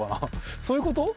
そういうこと？